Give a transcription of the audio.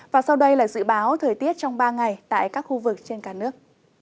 và sau đây là dự báo thời tiết trong ba ngày tại các khu vực trên cả nước